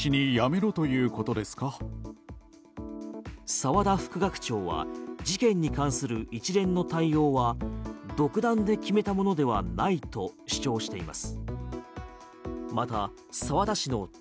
澤田副学長は事件に関する一連の対応は独断で決めたものではないと主張しています。